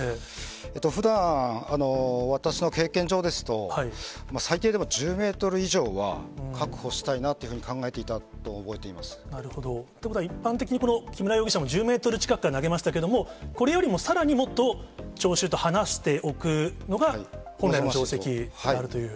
ふだん、私の経験上ですと、最低でも１０メートル以上は確保したいなというふうに考えていたなるほど。ということは、一般的に、この木村容疑者も１０メートル近くから投げましたけれども、これよりもさらにもっと聴衆と離しておくのが、本来の定石であるという。